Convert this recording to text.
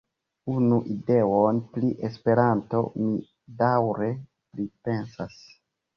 Unu ideon pri Esperanto mi daŭre pripensas.